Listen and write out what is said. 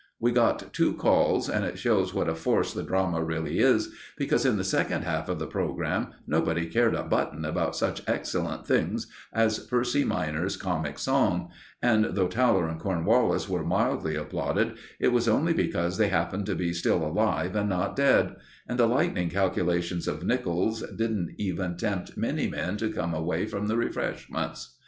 We got two calls, and it shows what a force the drama really is, because in the second half of the programme nobody cared a button about such excellent things as Percy minor's comic song; and though Towler and Cornwallis were mildly applauded, it was only because they happened to be still alive and not dead; and the lightning calculations of Nicholas didn't even tempt many men to come away from the refreshments.